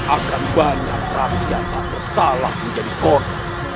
akan banyak rakyat yang bersalah menjadi korban